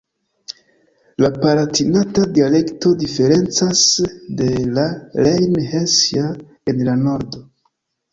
La Palatinata dialekto diferencas de la Rejn-Hesia en la Nordo.